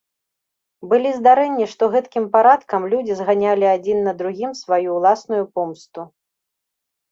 Былі здарэнні, што гэткім парадкам людзі зганялі адзін на другім сваю ўласную помсту.